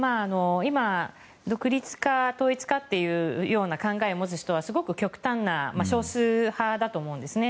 今、独立か統一かという考えを持つ人はすごく極端な少数派だと思うんですよね。